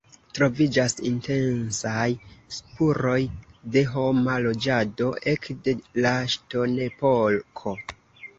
Troviĝas intensaj spuroj de homa loĝado ekde la ŝtonepoko.